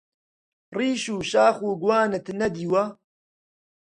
ڕیش و شاخ و گوانت نەدیوە؟!